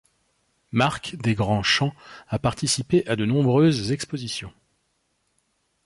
Marc Desgrandchamps a participé à de nombreuses expositions.